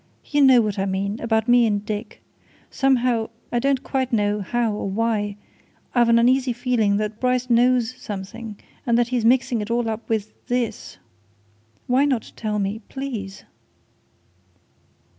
"You know what I mean about me and Dick. Somehow I don't quite know how or why I've an uneasy feeling that Bryce knows something, and that he's mixing it all up with this! Why not tell me please!"